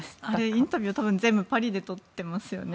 インタビューは全部、パリで撮っていますよね。